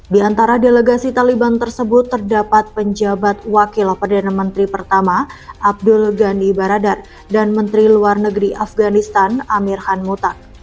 di antara delegasi taliban tersebut terdapat penjabat wakil perdana menteri pertama abdul ghandi baradar dan menteri luar negeri afganistan amir han mutan